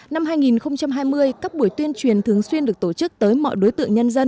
năm hai nghìn hai mươi các buổi tuyên truyền thường xuyên được tổ chức tới mọi đối tượng nhân dân